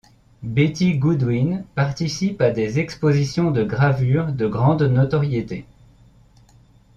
Betty Goodwin participe à des expositions de gravures de grande notoriété.